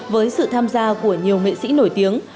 với sự tham gia của nhiều nghệ sĩ nổi tiếng